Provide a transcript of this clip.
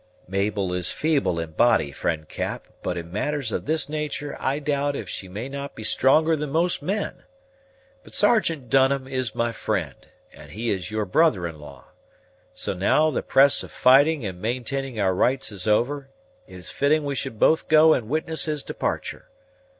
"Mabel is feeble in body, friend Cap; but in matters of this natur' I doubt if she may not be stronger than most men. But Sergeant Dunham is my friend, and he is your brother in law; so, now the press of fighting and maintaining our rights is over, it is fitting we should both go and witness his departure.